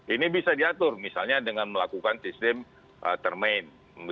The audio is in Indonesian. ini bisa diatur misalnya dengan melakukan sistem termain